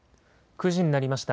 ９時になりました。